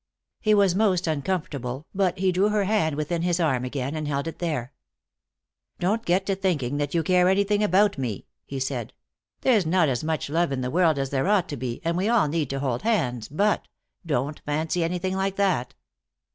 He was most uncomfortable, but he drew her hand within his arm again and held it there. "Don't get to thinking that you care anything about me," he said. "There's not as much love in the world as there ought to be, and we all need to hold hands, but don't fancy anything like that."